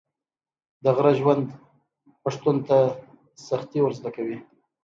د غره ژوند پښتون ته سختي ور زده کوي.